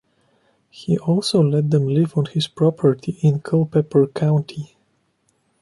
He also let them live on his property in Culpeper County.